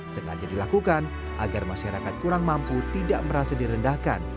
sengaja dilakukan agar masyarakat kurang mampu tidak merasa direndahkan